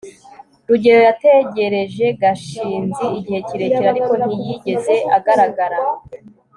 rugeyo yategereje gashinzi igihe kirekire, ariko ntiyigeze agaragara